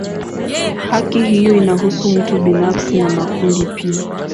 Haki hiyo inahusu mtu binafsi na makundi pia.